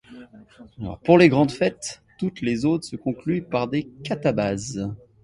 Pour les grandes fêtes, toutes les odes se concluent par des catabases.